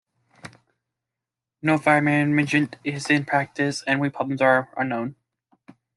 No fire management is in practice and weed problems are unknown.